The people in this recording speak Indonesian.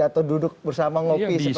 atau duduk bersama ngopi seperti itu